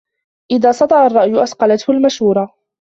إذا صدأ الرأي أصقلته المشورة